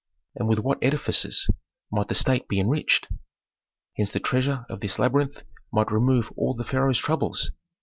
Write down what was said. And with what edifices might the state be enriched! Hence the treasure of this labyrinth might remove all the pharaoh's troubles.